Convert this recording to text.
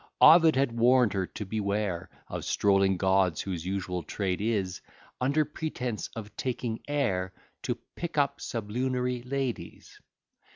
Ovid had warn'd her to beware Of strolling gods, whose usual trade is, Under pretence of taking air, To pick up sublunary ladies.